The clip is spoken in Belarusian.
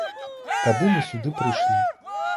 Тады мы сюды прыйшлі.